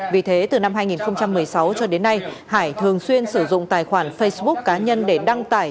vì thế từ năm hai nghìn một mươi sáu cho đến nay hải thường xuyên sử dụng tài khoản facebook cá nhân để đăng tải